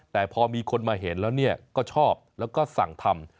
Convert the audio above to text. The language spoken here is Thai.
แต่พอมีคนมาเห็นแล้วก็ชอบแล้วก็สั่งทำ